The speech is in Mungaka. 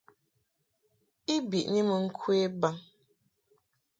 I bɨni mɨ ŋkwe baŋ.